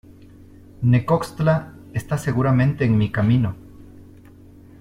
Necoxtla, está seguramente en mi camino.